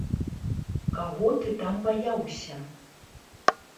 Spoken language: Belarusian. Каго ты там баяўся?